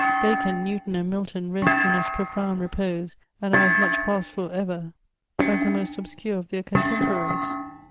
Bacon, Newton, and Milton rest in as profound repose, and are as much passed for ever, as ihe most obscure of their contemporaries.